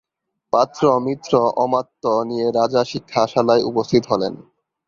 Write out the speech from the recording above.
পাত্র-মিত্র-অমাত্য নিয়ে রাজা শিক্ষাশালায় উপস্থিত হলেন।